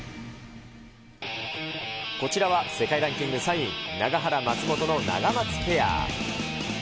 こちらは、世界ランキング３位、永原・松本のナガマツペア。